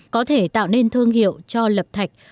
có thể tạo nên thương hiệu cho lập thạch